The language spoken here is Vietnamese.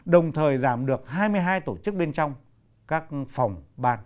đồng thời giảm được hai mươi hai tổ chức bên trong các phòng bàn